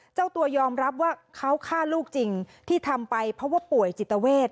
เจ้าตัวยอมรับว่าเขาฆ่าลูกจริงที่ทำไปเพราะว่าป่วยจิตเวท